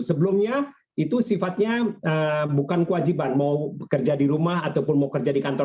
sebelumnya itu sifatnya bukan kewajiban mau bekerja di rumah ataupun mau kerja di kantor